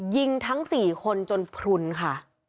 ยิงทั้ง๔คนจนพลุนค่ะ